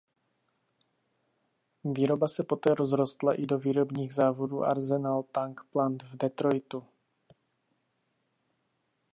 Výroba se poté rozrostla i do výrobních závodů Arsenal Tank Plant v Detroitu.